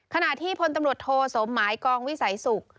ขณะที่พลตำรวจโทสมหมายกองวิสัยศุกร์